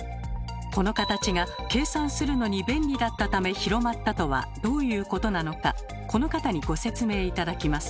この形が計算するのに便利だったため広まったとはどういうことなのかこの方にご説明頂きます。